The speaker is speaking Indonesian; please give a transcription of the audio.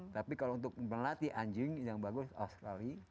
tapi kalau untuk melatih anjing yang bagus australia